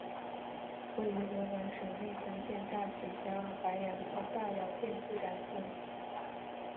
位于河南省内乡县乍曲乡白杨村大窑店自然村。